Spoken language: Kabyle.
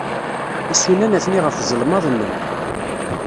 Isunan atni ɣef uzelmaḍ-nnem.